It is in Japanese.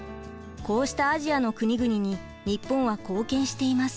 こうしたアジアの国々に日本は貢献しています。